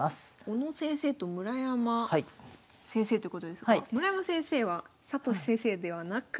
小野先生と村山先生ということですが村山先生は聖先生ではなく？